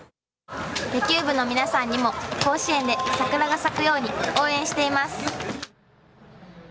野球部のみなさんにも甲子園で桜が咲くように応援しています！